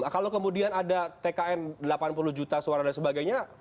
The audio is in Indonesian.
kalau kemudian ada tkn delapan puluh juta suara dan sebagainya